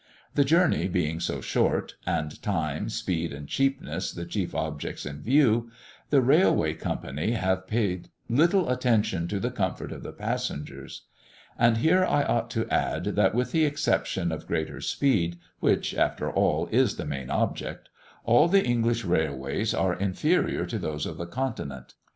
The journeys being so short, and time, speed, and cheapness the chief objects in view, the railway company have paid little attention to the comfort of the passengers. And here I ought to add, that with the exception of greater speed, which, after all, is the main object, all the English railways are inferior to those of the Continent.